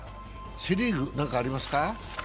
セ・リーグ、何かありますか？